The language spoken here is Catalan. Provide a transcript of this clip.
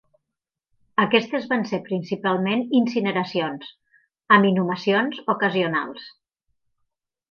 Aquestes van ser principalment incineracions, amb inhumacions ocasionals.